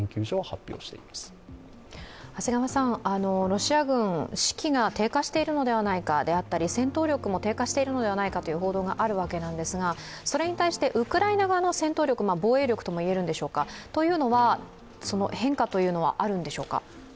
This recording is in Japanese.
ロシア軍、士気が低下しているのではないかであったり戦闘力も低下しているのではないかという報道があるわけですがそれに対してウクライナ側の戦闘力、防衛力というのは、変化というのはあるんでしょうか？